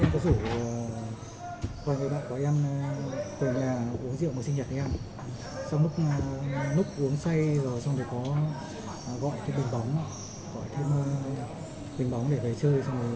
tôi uống rượu một sinh nhật để ăn sau lúc uống say rồi có gọi bình bóng để về chơi